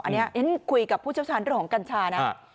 อันนี้ฉันคุยกับผู้เชี่ยวชาญเรื่องของกัญชานะ